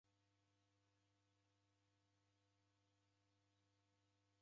W'ele uja mundu oka na isu?